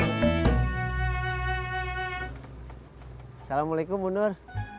assalamualaikum bu nur